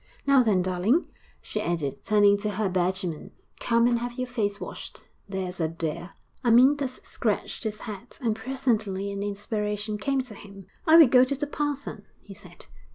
Now then, darling,' she added, turning to her Benjamin, 'come and have your face washed, there's a dear.' IV Amyntas scratched his head, and presently an inspiration came to him. 'I will go to the parson,' he said.